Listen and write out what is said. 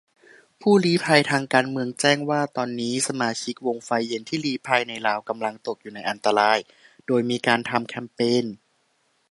ผู้ลี้ภัยทางการเมืองแจ้งว่า ตอนนี้สมาชิกวงไฟเย็นที่ลี้ภัยในลาวกำลังตกอยู่ในอันตราย-โดยมีการทำแคมเปญ